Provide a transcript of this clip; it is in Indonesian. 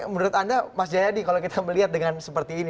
menurut anda mas jayadi kalau kita melihat dengan seperti ini